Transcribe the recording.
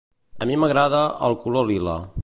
A mi m'agrada el color lila